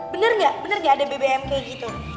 bener gak bener gak ada bebe em kayak gitu